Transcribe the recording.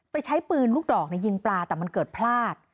ใช้ปืนลูกดอกยิงปลาแต่มันเกิดพลาด